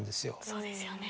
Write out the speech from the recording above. そうですよね。